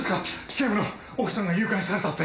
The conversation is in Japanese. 警部の奥さんが誘拐されたって。